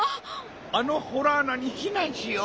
あのほらあなにひなんしよう。